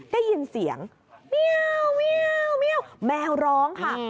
ได้ยินเสียงแมวร้องค่ะ